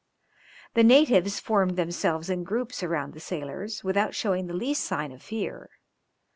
The natives formed themselves in groups around the sailors, without showing the least sign of fear.